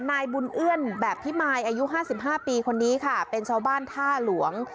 นายบุญเอื้อนแบบพิมายอายุ๕๕ปีคนนี้ค่ะเป็นชาวบ้านท่าหลวง